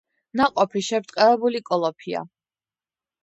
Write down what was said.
ნაყოფი შებრტყელებული კოლოფია.